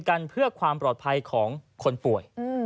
กันเพื่อความปลอดภัยของคนป่วย